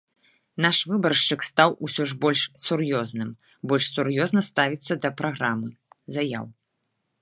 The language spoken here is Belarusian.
Наш выбаршчык стаў усё ж больш сур'ёзны, больш сур'ёзна ставіцца да праграмы, заяў.